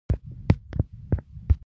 د معدې تېزابيت زياتوي